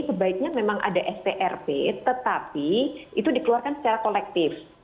sebaiknya memang ada strp tetapi itu dikeluarkan secara kolektif